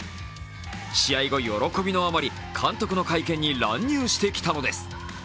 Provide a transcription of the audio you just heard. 試合後、喜びのあまり監督の会見に乱入してきたのです。